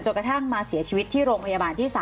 กระทั่งมาเสียชีวิตที่โรงพยาบาลที่๓